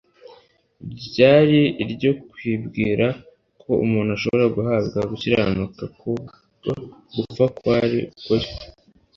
ryari iryo kwibwira ko umuntu ashobora guhabwa gukiranuka kubwo gupfa kwakira ukuri.